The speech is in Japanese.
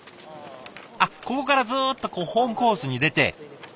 あっここからズーッと本コースに出て。